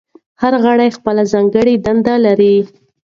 هر غړی خپله ځانګړې دنده لري.